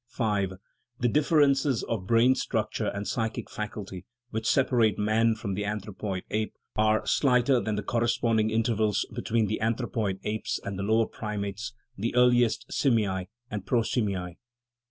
V. The differences of brain structure and psychic faculty which separate man from the anthropoid ape are slighter than the corresponding interval between the anthropoid apes and the lower primates (the ear liest simiae and prosimiae). VI.